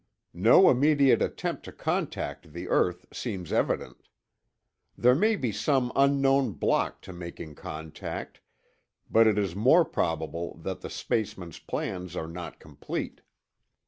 No immediate attempt to contact the earth seems evident. There may be some unknown block to making contact, but it is more probable that the spacemen's plans are not complete.